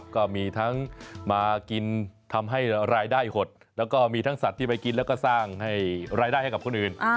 ก็มีทั้งมากินทำให้รายได้หดแล้วก็มีทั้งสัตว์ที่ไปกินแล้วก็สร้างให้รายได้ให้กับคนอื่น